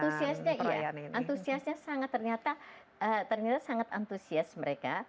antusiasnya iya antusiasnya sangat ternyata ternyata sangat antusias mereka